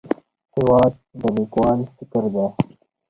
هېواد د لیکوال فکر دی.